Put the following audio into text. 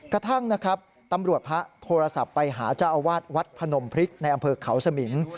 กระทั่งนะครับตำรวจพระโทรศัพท์ไปหาเจ้าอาวาสวัดพนมพริกในอำเภอเขาสมิง